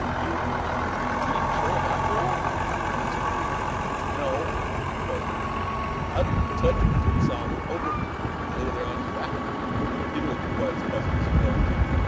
"You you didn't kill him, after all," gasped Peter. "No," replied Jimmy, "I didn't even touch him until you saw me poke him when he lay there on his back." Peter looked quite as puzzled as he felt.